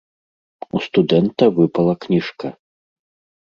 У студэнта выпала кніжка.